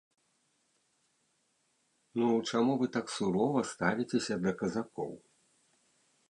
Ну чаму вы так сурова ставіцеся да казакоў?